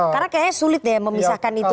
karena kayaknya sulit ya memisahkan itu